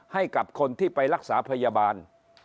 ให้กับคนที่ไปรักษาพยาบาล